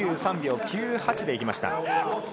２３秒９８で行きました。